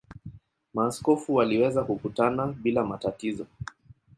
Maaskofu waliweza kukutana bila matatizo.